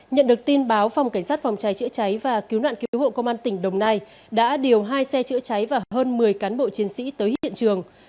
nhận được tin báo phòng cảnh sát phòng cháy chữa cháy và cứu nạn cứu hộ công an tỉnh đồng nai đã điều hai xe chữa cháy và hơn một mươi cán bộ chiến sĩ tới hiện trường